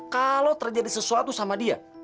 kalau terjadi sesuatu sama dia